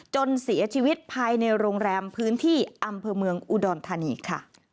จนเสียชีวิตภายในโรงแรมพื้นที่อำเภอเมืองอุดรธานีค่ะ